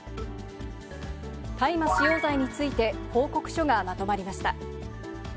大麻使用罪について、報告書がまとまりました。